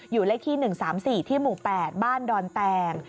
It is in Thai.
เลขที่๑๓๔ที่หมู่๘บ้านดอนแตง